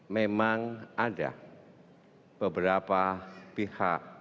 memang ada beberapa pihak